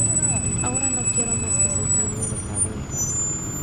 Ahora no quiero más que sentirme dejado en paz".